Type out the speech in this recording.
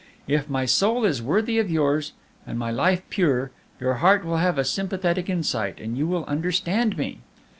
If my soul is worthy of yours, and my life pure, your heart will have a sympathetic insight, and you will understand me!